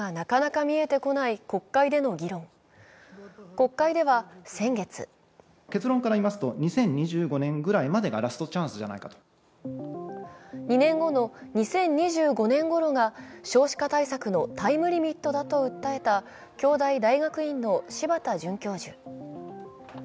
国会では先月２年後の２０２５年ごろが少子化対策のタイムリミットだと訴えた京大大学院の柴田准教授。